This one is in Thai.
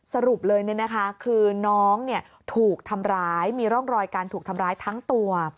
สรุปเลยคือน้องถูกทำร้ายมีร่องรอยการถูกทำร้ายทั้งตัว